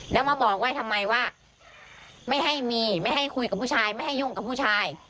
แล้วมาบอกไว้ทำไมว่าไม่ให้มีไม่ให้คุยกับผู้ชายไม่ให้ยุ่งกับผู้ชาย